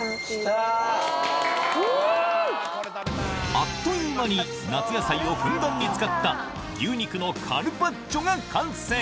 あっという間に夏野菜をふんだんに使った牛肉のカルパッチョが完成ん！